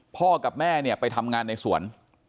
พ่อกับแม่เนี่ยไปทำงานในสวน